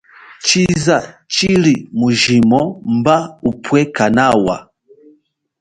Tshiza chili mujimo mba upwe kanawa.